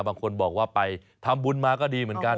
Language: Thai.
บางคนบอกว่าไปทำบุญมาก็ดีเหมือนกัน